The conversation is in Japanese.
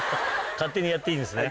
勝手にやっていいんですね。